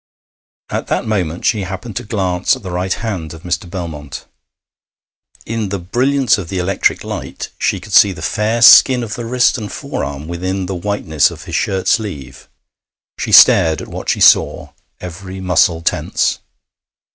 At that moment she happened to glance at the right hand of Mr. Belmont. In the brilliance of the electric light she could see the fair skin of the wrist and forearm within the whiteness of his shirt sleeve. She stared at what she saw, every muscle tense.